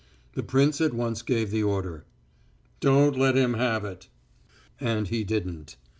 The prince at once gave the order: "Don't let him have it." And he didn't.